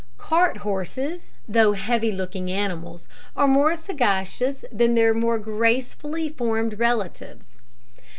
Cart horses, though heavy looking animals, are more sagacious that their more gracefully formed relatives.